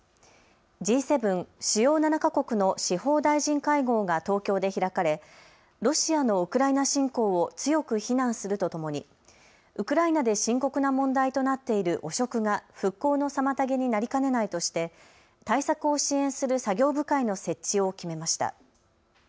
Ｇ７・主要７か国の司法大臣会合が東京で開かれロシアのウクライナ侵攻を強く非難するとともにウクライナで深刻な問題となっている汚職が復興の妨げになりかねないとして対策を支援する作業部会の設置を決めました。